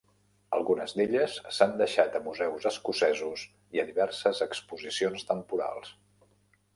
Algunes d'elles s'han deixat a museus escocesos i a diverses exposicions temporals.